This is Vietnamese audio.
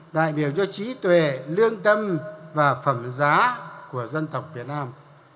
đại biểu cho trí tuệ lương tâm và phẩm giá của dân tộc việt nam